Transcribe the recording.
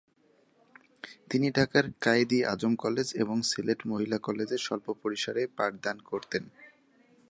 তিনি ঢাকার কায়েদ-ই-আজম কলেজ, এবং সিলেট মহিলা কলেজে স্বল্প পরিসরে পাঠদান করতেন।